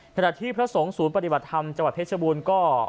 ขณะที่พระสงฆ์ศูนย์ปฏิบัติธรรมจังหวัดเพชรบูรณ์ก็